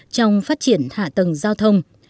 trong phát triển hạ tầng giao thông